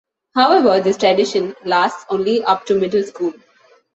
However, this tradition lasts only up to Middle School.